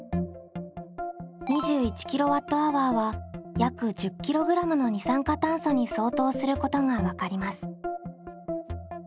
２１ｋＷｈは約１０ｋｇの二酸化炭素に相当することが分かります。